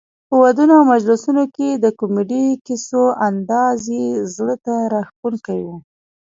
په ودونو او مجلسونو کې د کمیډي کیسو انداز یې زړه ته راښکوونکی وو.